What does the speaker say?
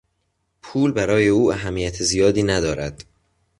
پول برای او اهمیت زیادی ندارد.